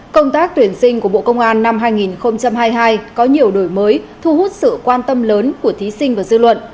công tác tuyển sinh của bộ công an năm hai nghìn hai mươi hai có nhiều đổi mới thu hút sự quan tâm lớn của thí sinh và dư luận